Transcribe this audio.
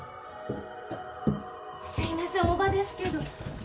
すいません大庭ですけど。